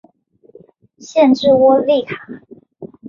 县治窝利卡。